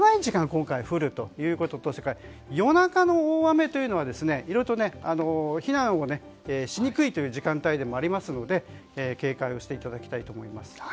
今回、降るということとそれから夜中の大雨というのはいろいろと避難しにくい時間でもありますので警戒していただきたいと思います。